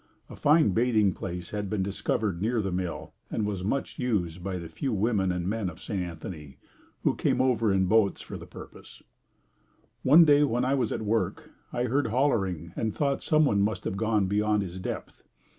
A fine bathing place had been discovered near the mill and was much used by the few women and men of St. Anthony who came over in boats for the purpose. One day when I was at work I heard hollering and thought someone must have gone beyond his depth.